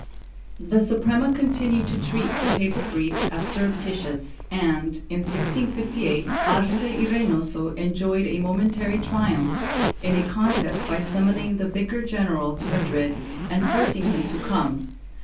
1 The Suprema continued to treat the papal briefs as surrep titious and, in 1658, Arce y Reynoso enjoyed a momentary triumph in a contest by summoning the vicar general to Madrid and forcing him to come.